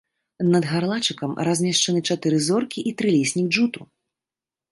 Над гарлачыкам размешчаны чатыры зоркі і трыліснік джуту.